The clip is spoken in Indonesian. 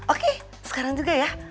oke sekarang juga ya